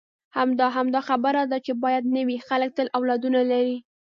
همدا، همدا خبره ده چې باید نه وي، خلک تل اولادونه لري.